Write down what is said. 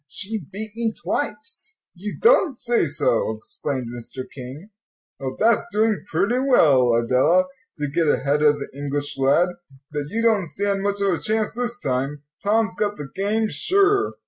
"She beat me twice." "You don't say so," exclaimed Mr. King. "Well, that's doing pretty well, Adela, to get ahead of the English lad. But you don't stand much of a chance this time; Tom's got the game, sure."